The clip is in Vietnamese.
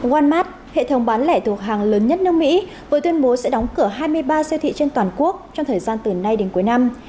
ngoanmad hệ thống bán lẻ thuộc hàng lớn nhất nước mỹ vừa tuyên bố sẽ đóng cửa hai mươi ba siêu thị trên toàn quốc trong thời gian từ nay đến cuối năm